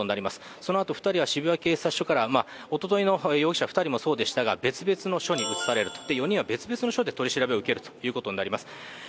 そのあと、２人はおとといの容疑者２人もそうでしたが別々の署に移され、４人は別々の署で取り調べを受けることになります。